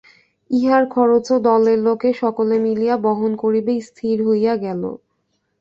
ইহার খরচও দলের লোকে সকলে মিলিয়া বহন করিবে স্থির হইয়া গেল।